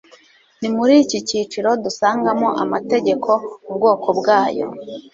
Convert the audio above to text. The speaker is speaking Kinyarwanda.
nimuri iki kiciro dusangamo amategeko, ubwoko bwayo